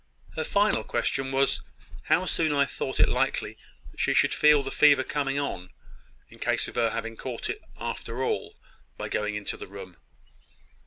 Her final question was, how soon I thought it likely that she should feel the fever coming on, in case of her having caught it, after all, by going into the room."